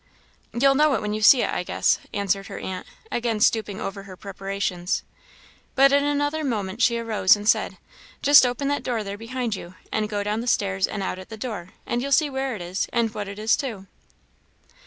"You'll know it when you see it, I guess," answered her aunt, again stooping over her preparations. But in another moment she arose and said, "Just open that door there behind you, and go down the stairs and out at the door, and you'll see where it is, and what it is too."